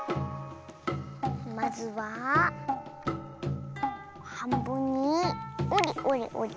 まずははんぶんにおりおりおり。